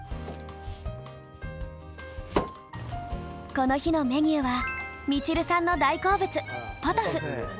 この日のメニューはみちるさんの大好物ポトフ。